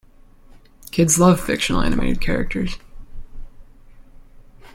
Kids love fictional animated characters.